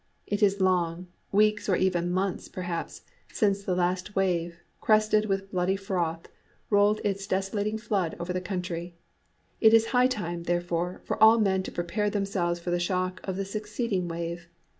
It is long, weeks or even months, perhaps, since the last wave, crested with bloody froth, rolled its desolating flood over the country; it is high time, therefore, for all men to prepare themselves for the shock of the succeeding wave.